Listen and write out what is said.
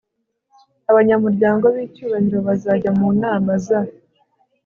abanyamuryango b icy ubahiro bajya mu nama za